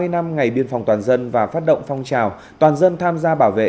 hai mươi năm ngày biên phòng toàn dân và phát động phong trào toàn dân tham gia bảo vệ